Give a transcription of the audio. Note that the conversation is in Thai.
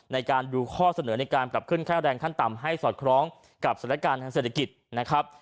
ในการดูข้อเสนอในการปรับขึ้นค่าแรงขั้นต่ำให้สอดคล้องกับสถานการณ์ทางเศรษฐกิจนะครับ